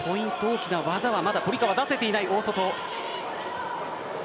大きな技はまだ出せていない大外。